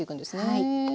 はい。